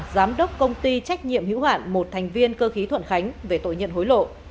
giám đốc công ty trách nhiệm hữu hạn một thành viên cơ khí thuận khánh về tội nhận hối lộ